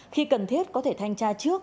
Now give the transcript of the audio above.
khi cần thiết có thể thanh tra trước